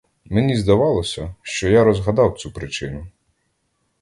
Мені здавалося, що я розгадав цю причину.